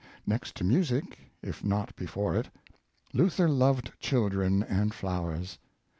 Next to music, if not before it, Luther loved children and flowers.